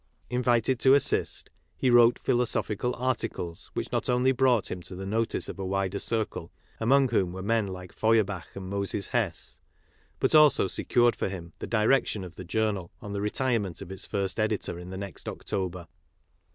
Invited to assist, he wrote philosophical articles which not only brought him to the notice of a wider circle, among whom were men like Feuerbach and Moses Hess, but also secured for him the direction of the journal on the retirement of its first editor in the next October.